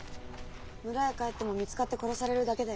村へ帰っても見つかって殺されるだけだよ。